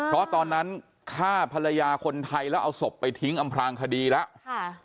เพราะตอนนั้นฆ่าภรรยาคนไทยแล้วเอาศพไปทิ้งอำพลางคดีแล้ว